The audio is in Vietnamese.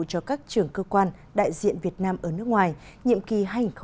cho các trưởng cơ quan đại diện việt nam ở nước ngoài nhiệm kỳ hai nghìn một mươi tám hai nghìn hai mươi